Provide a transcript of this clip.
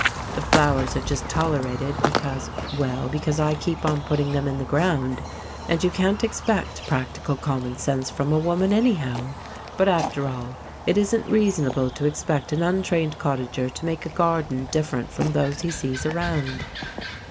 The flowers are just tolerated because—well, because I keep on putting them in the ground, and you can't expect practical common sense from a woman anyhow! But after all, it isn't reasonable to expect an untrained cottager to make a garden different from those he sees around.